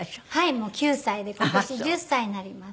もう９歳で今年１０歳になります。